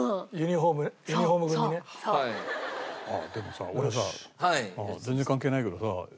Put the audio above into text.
でもさ俺さ全然関係ないけどさ。